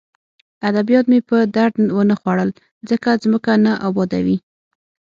ادبیات مې په درد ونه خوړل ځکه ځمکه نه ابادوي